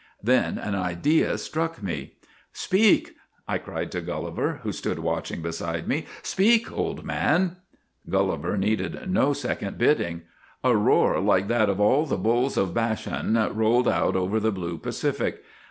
Then an idea struck me. "' Speak !' I cried to Gulliver, who stood watch ing beside me. ' Speak, old man !'' Gulliver needed no second bidding. A roar like that of all the bulls of Bashan rolled out over the blue Pacific.